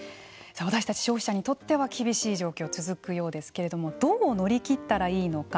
私たち消費者にとっては厳しい状況が続くようですけれどもどう乗り切ったらいいのか。